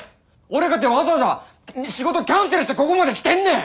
俺かてわざわざ仕事キャンセルしてここまで来てんねん！